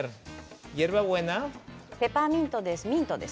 ペパーミントです。